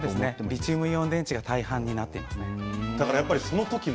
リチウムイオン電池が大半に、今はなっています。